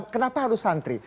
kenapa harus santri